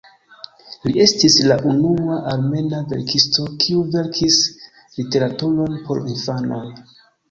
Li estis la unua armena verkisto kiu verkis literaturon por infanoj.